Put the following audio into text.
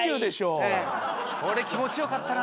これ気持ち良かったな。